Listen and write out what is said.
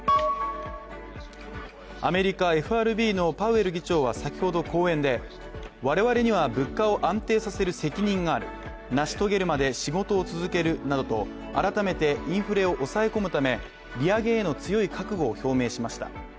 アメリカＦＲＢのパウエル議長は先ほど、講演で我々には物価を安定させる責任がある成し遂げるまで仕事を続けるなどと改めてインフレを抑え込むため利上げへの強い覚悟を表明しました。